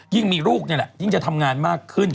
ยิ่งมีลูกนี่แหละยิ่งจะทำงานมากขึ้น